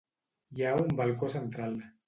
Hi ha un balcó central.